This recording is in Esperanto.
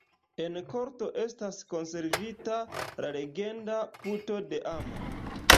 En korto estas konservita la legenda Puto de amo.